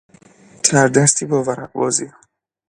تردستی با ورق بازی